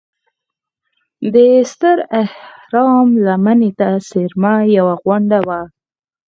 دې ستر اهرام لمنې ته څېرمه یوه غونډه وه.